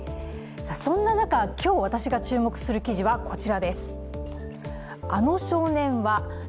そんな中、今日、私が注目する記事はこちらです。